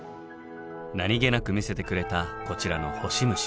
何気なく見せてくれたこちらのホシムシ。